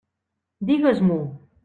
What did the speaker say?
Digues-m'ho!